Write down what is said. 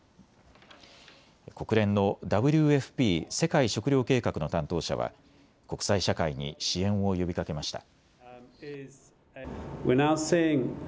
国連のＷＦＰ・世界食糧計画の担当者は国際社会に支援を呼びかけました。